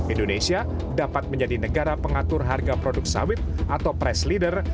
indonesia dapat menjadi negara pengatur harga produk sawit atau price leader